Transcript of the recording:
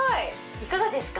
いかがですか？